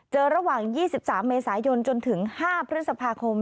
ระหว่าง๒๓เมษายนจนถึง๕พฤษภาคม